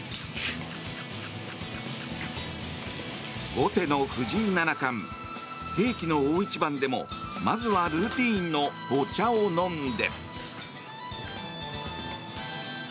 後手の藤井七冠世紀の大一番でもまずはルーチンのお茶を飲んで。